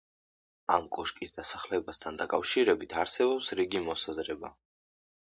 ამ კოშკის დასახელებასთან დაკავშირებით არსებობს რიგი მოსაზრება.